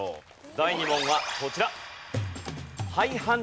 第２問はこちら。